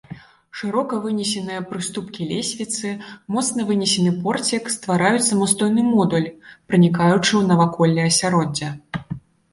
Шырока вынесеныя прыступкі лесвіцы, моцна вынесены порцік ствараюць самастойны модуль, пранікаючы ў навакольнае асяроддзе.